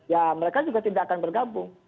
ya mereka juga tidak akan bergabung